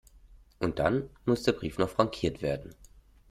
Und dann muss der Brief noch frankiert werden.